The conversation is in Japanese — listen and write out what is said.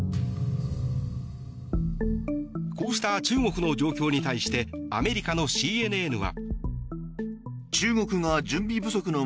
こうした中国の状況に対してアメリカのＣＮＮは。